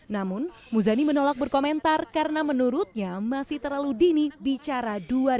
namun muzani menolak berkomentar karena menurutnya masih terlalu dini bicara dua ribu dua puluh